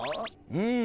うん。